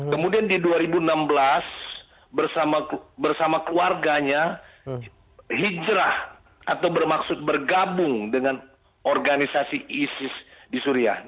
kemudian di dua ribu enam belas bersama keluarganya